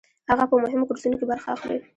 هغه په مهمو کورسونو کې برخه اخلي.